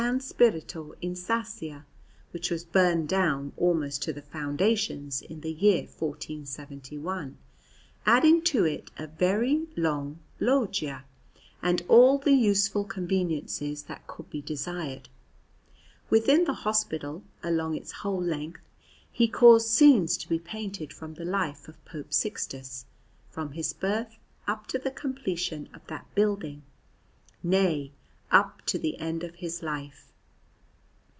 Spirito in Sassia (which was burnt down almost to the foundations in the year 1471), adding to it a very long loggia and all the useful conveniences that could be desired. Within the hospital, along its whole length, he caused scenes to be painted from the life of Pope Sixtus, from his birth up to the completion of that building nay, up to the end of his life.